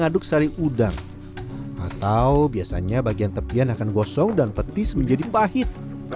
aduk sari udang atau biasanya bagian tepian akan gosong dan petis menjadi pahit